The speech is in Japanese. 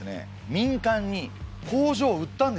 民間に工場を売ったんですよ。